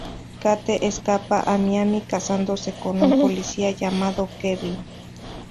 Kate escapa a Miami, casándose con un policía llamado Kevin.